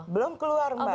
belum keluar mbak